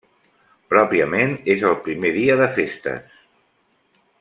Pròpiament, és el primer dia de festes.